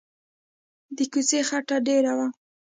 د کوڅې خټه ډېره وه.